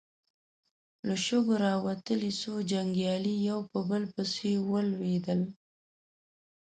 له شګو راوتلې څو جنګيالي يو په بل پسې ولوېدل.